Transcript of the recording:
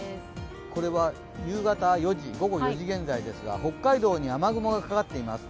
これは午後４時現在ですが北海道に雨雲がかかっています。